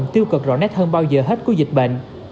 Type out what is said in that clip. tiêu cực rõ nét hơn bao giờ hết của dịch bệnh